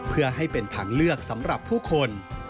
เพื่อให้เป็นทางเลือกสำหรับผู้คน